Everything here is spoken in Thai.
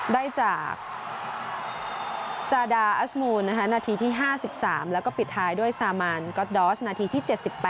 ได้จากซาดาอัสมูลนาทีที่๕๓แล้วก็ปิดท้ายด้วยซามานก๊อตดอสนาทีที่๗๘